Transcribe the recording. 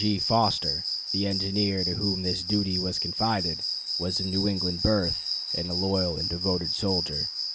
G. Foster, the engineer to whom this duty was confided, was of New England birth and a loyal and devoted soldier.